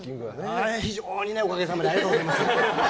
非常におかげさまでありがとうございます。